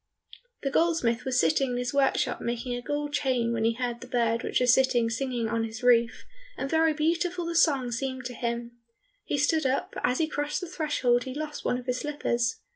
The goldsmith was sitting in his workshop making a gold chain, when he heard the bird which was sitting singing on his roof, and very beautiful the song seemed to him. He stood up, but as he crossed the threshold he lost one of his slippers.